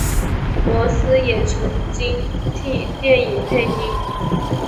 罗斯也曾经替电影配音。